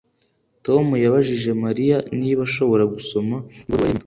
tom yabajije mariya niba ashobora gusoma ibaruwa ya nyina